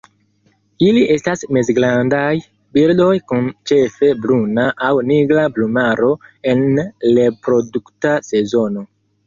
Ili estas mezgrandaj birdoj kun ĉefe bruna aŭ nigra plumaro en reprodukta sezono.